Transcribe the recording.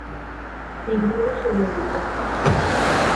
Ninguno sobrevivió.